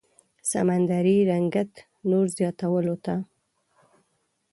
سمندري رنګت نور زياتولو ته